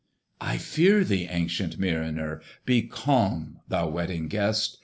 "I fear thee, ancient Mariner!" Be calm, thou Wedding Guest!